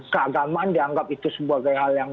keagamaan dianggap itu sebagai hal yang